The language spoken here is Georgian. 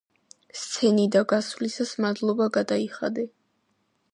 სცენიდა გასვლისას მადლობა გადაიხადე.